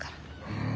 うん。